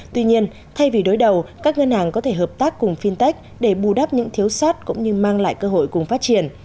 tuy nhiên thay vì đối đầu các ngân hàng có thể hợp tác cùng fintech để bù đắp những thiếu sót cũng như mang lại cơ hội cùng phát triển